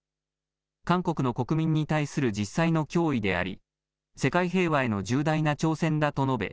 韓国の国民に対する実際の脅威であり世界平和への重大な挑戦だと述べ